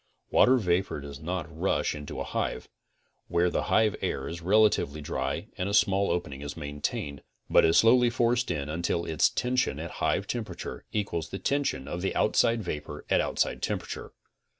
Water vapor does not rush into a hive, where the hive air is relatively dry and a small opening is maintained, but is slowly forced in until its tention at hive temperature equals the tention of the outside vapor at outside temperature.